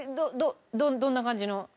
どんな感じの？